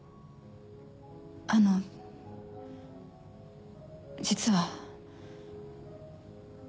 あの実は。